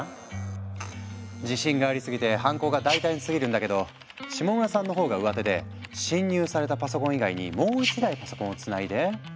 自信がありすぎて犯行が大胆すぎるんだけど下村さんの方がうわてで侵入されたパソコン以外にもう一台パソコンをつないで。